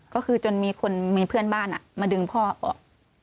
ก็คือจนมีคนมีเพื่อนบ้านมาดึงพ่อออก